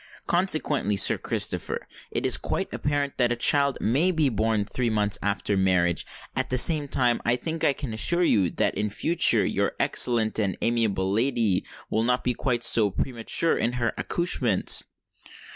Consequently, Sir Christopher, it is quite apparent that a child may be born three months after marriage; at the same time, I think I can assure you, that in future your excellent and amiable lady will not be quite so premature in her accouchements."